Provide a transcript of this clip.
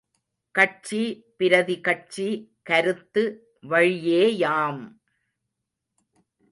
கட்சி பிரதி கட்சி கருத்து வழியேயாம்!